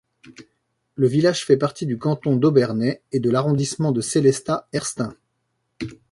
Le village fait partie du canton d'Obernai et de l'arrondissement de Sélestat-Erstein.